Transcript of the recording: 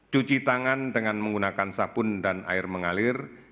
cuci tangan dengan menggunakan sabun dan air mengalir